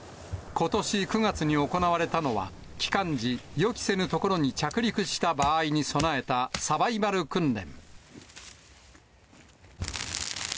ことし９月に行われたのは、帰還時、予期せぬ所に着陸した場合に備えたサバイバル訓練。